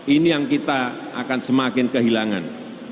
ini yang kita akan semakin kehilangan